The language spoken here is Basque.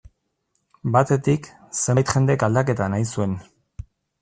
Batetik, zenbait jendek aldaketa nahi zuen.